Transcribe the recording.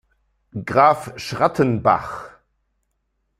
Graf Schrattenbach.